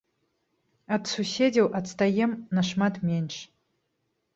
Ад суседзяў адстаем нашмат менш.